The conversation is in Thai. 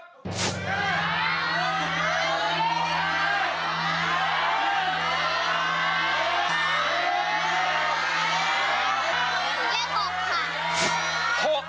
ผมเลือกหกค่ะ